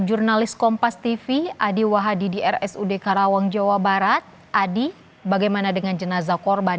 jurnalis kompas tv adi wahadi di rsud karawang jawa barat adi bagaimana dengan jenazah korban